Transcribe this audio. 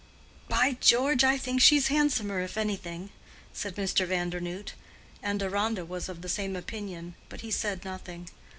"By George, I think she's handsomer, if anything!" said Mr. Vandernoodt. And Deronda was of the same opinion, but he said nothing.